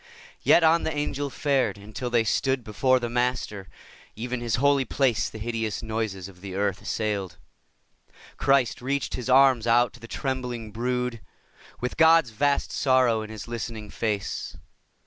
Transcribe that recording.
Yet on the Angel fared, until they stood Before the Master. (Even His holy place The hideous noises of the earth assailed.) Christ reached His arms out to the trembling brood, With God's vast sorrow in His listening face.